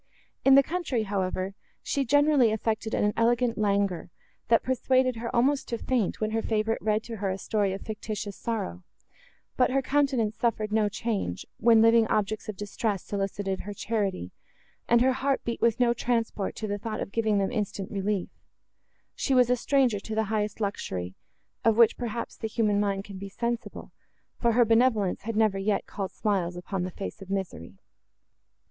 In the country, however, she generally affected an elegant languor, that persuaded her almost to faint, when her favourite read to her a story of fictitious sorrow; but her countenance suffered no change, when living objects of distress solicited her charity, and her heart beat with no transport to the thought of giving them instant relief;—she was a stranger to the highest luxury, of which, perhaps, the human mind can be sensible, for her benevolence had never yet called smiles upon the face of misery.